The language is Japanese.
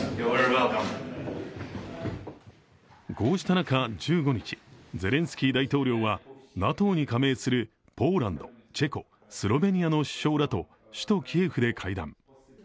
こうした中、１５日ゼレンスキー大統領はＮＡＴＯに加盟するポーランド、チェコスロベニアの首相らと首都キエフで会談。